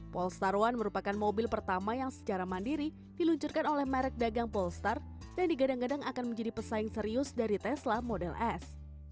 polestar one merupakan mobil pertama yang secara mandiri diluncurkan oleh merek dagang polestar dan digadang gadang akan menjadi pesaing serius dari tesla model s